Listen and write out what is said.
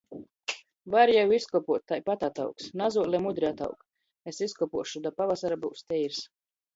Var jau izkopuot, taipat ataugs. Nazuole mudri ataug. Es izkopuošu, da pavasara byus teirs.